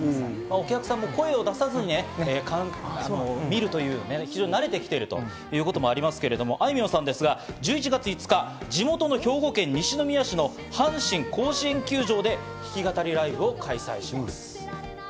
お客さんも声を出さずに見ることに慣れてきているということもありますけれど、あいみょんさんですが、１１月５日、地元の兵庫県西宮市の阪神甲子園球場で弾き語りライブを開催します。